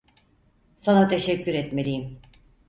Sana teşekkür etmeliyim.